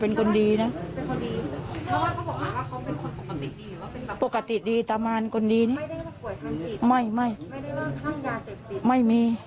เป็นคนปกติเลย